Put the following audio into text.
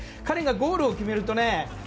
彼がゴールを決めるとね